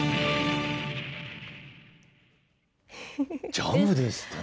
ジャムですって。